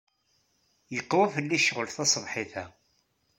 Yeqwa fell-i ccɣel taṣebḥit-a.